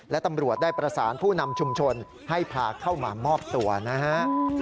และตำรวจได้ประสานผู้นำชุมชนให้พาเข้ามามอบตัวนะฮะ